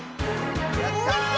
やった！